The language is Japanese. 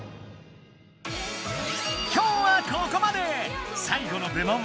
今日はここまで！